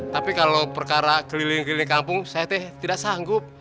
tapi kalau perkara keliling keliling kampung saya teh tidak sanggup